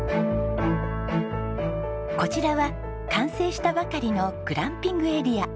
こちらは完成したばかりのグランピングエリア。